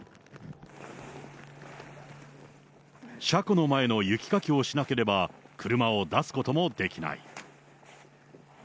車庫の前の雪かきをしなければ、車を出すこともできない。